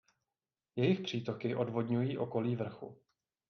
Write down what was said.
Jejich přítoky odvodňují okolí vrchu.